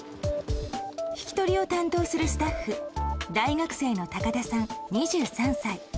引き取りを担当するスタッフ大学生の高田さん、２３歳。